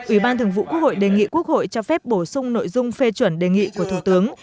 ubth đề nghị quốc hội cho phép bổ sung nội dung phê chuẩn đề nghị của thủ tướng